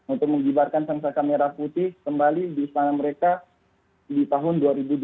untuk mengibarkan sangsaka merah putih kembali di istana mereka di tahun dua ribu dua puluh